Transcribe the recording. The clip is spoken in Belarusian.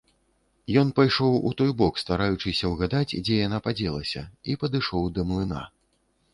Ён пайшоў у той бок, стараючыся ўгадаць, дзе яна падзелася, і падышоў да млына.